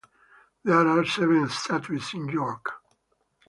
There are seven statues in York.